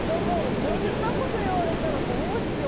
こんなこと言われたらどうしよう。